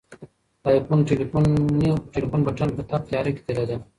د آیفون ټلیفون بټن په تپ تیاره کې ځلېدله.